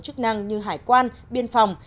chức năng như hải quan biên phòng